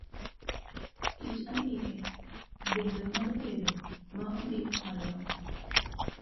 Kit andike bendo nyalo bedo ma ondiki madong'o.